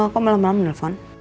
kok malam malam nelfon